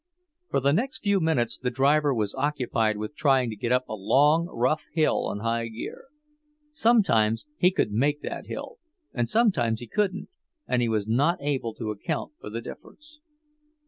For the next few minutes the driver was occupied with trying to get up a long, rough hill on high gear. Sometimes he could make that hill, and sometimes he couldn't, and he was not able to account for the difference.